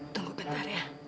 tunggu bentar ya